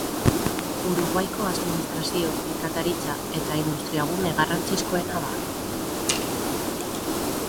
Uruguaiko administrazio, merkataritza eta industriagune garrantzizkoena da.